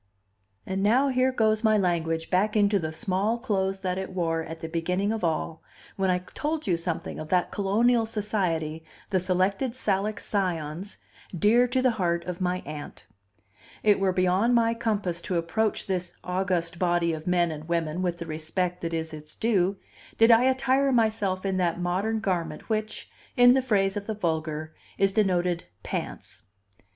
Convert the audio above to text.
And now here goes my language back into the small clothes that it wore at the beginning of all, when I told you something of that colonial society, the Selected Salic Scions, dear to the heart of my Aunt. It were beyond my compass to approach this august body of men and women with the respect that is its due, did I attire myself in that modern garment which, in the phrase of the vulgar, is denoted pants.